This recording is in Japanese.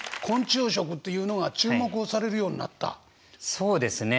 そうですね。